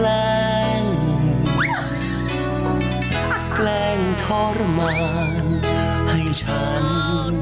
ฉันแกล้งแกล้งทรมานให้ฉันได้เจอ